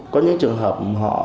có những trường hợp họ